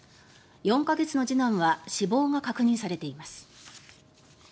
４か月の次男は死亡が確認されています。